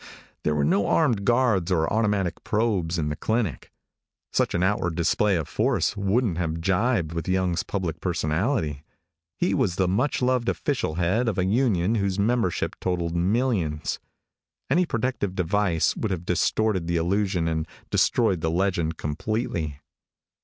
There were no armed guards or automatic probes in the clinic. Such an outward display of force wouldn't have jibed with Young's public personality. He was the much loved official head of a union whose membership totaled millions. Any protective device would have distorted the illusion and destroyed the legend completely.